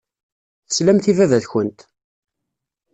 Teslamt i baba-tkent.